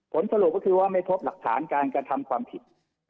ผลสรุปก็คือว่าไม่พบหลักฐานการกระทำความผิด